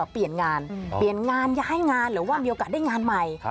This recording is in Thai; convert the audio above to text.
เปลี่ยนงานเปลี่ยนงานย้ายงานหรือว่ามีโอกาสได้งานใหม่